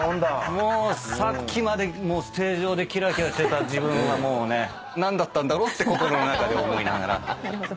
さっきまでステージ上でキラキラしてた自分は何だったんだろうって心の中で思いながら。